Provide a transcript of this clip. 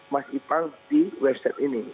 mas ipang di website ini